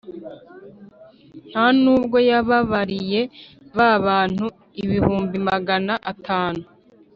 Nta n’ubwo yababariye ba bantu ibihumbi magana atandatu,